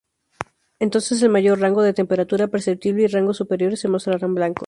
Entonces el mayor rango de temperatura perceptible y rangos superiores se mostrarán blancos.